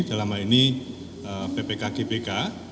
dalam hal ini ppk gpk